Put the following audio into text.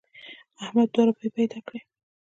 احمد دوه روپۍ پیدا کړې.